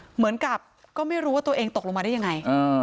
เหมือนกับก็ไม่รู้ว่าตัวเองตกลงมาได้ยังไง